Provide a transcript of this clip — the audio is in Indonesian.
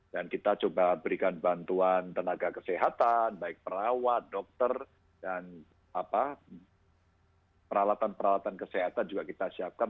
dan kita coba berikan bantuan tenaga kesehatan baik perawat dokter dan peralatan peralatan kesehatan juga kita siapkan